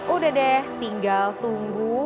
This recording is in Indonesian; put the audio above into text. udah deh tinggal tunggu